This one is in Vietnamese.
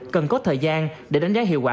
cần có thời gian để đánh giá hiệu quả